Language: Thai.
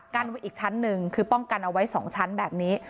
ไว้อีกชั้นหนึ่งคือป้องกันเอาไว้๒ชั้นแบบนี้